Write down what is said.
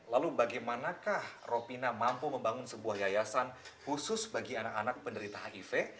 lalu bagaimanakah ropina mampu membangun sebuah yayasan khusus bagi anak anak penderita hiv